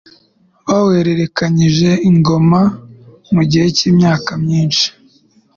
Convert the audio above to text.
bawuhererekanyije ingoma mu gihe cy'imyaka myishi